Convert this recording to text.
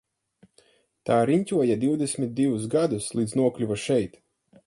Tā riņķoja divdesmit divus gadus līdz nokļuva šeit.